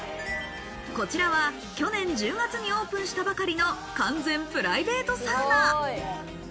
こちらは去年１０月にオープンしたばかりの完全プライベートサウナ。